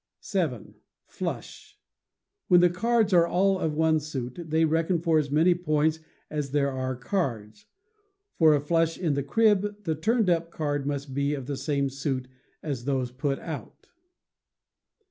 vii. Flush. When, the cards are all of one suit, they reckon for as many points as there are cards. For a flush in the crib, the turned up card must be of the same suit as those put out.